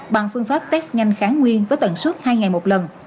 bằng phương pháp test nhanh kháng nguyên với tần suất hai ngày một lần